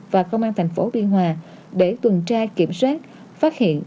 và công an thành phố biên hòa để tuần tra kiểm soát phát hiện